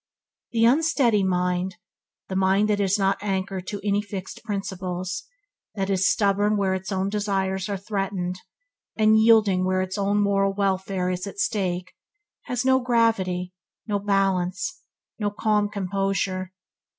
The unsteady mind, the mind that is not anchored to any fixed principles, that is stubborn where its own desires are threatened, and yielding where its own moral welfare is at stake, has no gravity, no balance, no calm composure.